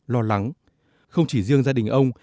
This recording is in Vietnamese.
lo lắng không chỉ riêng gia đình ông